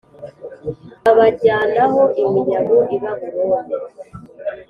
babajyanaho iminyago i Babuloni